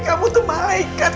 kamu tuh malaikat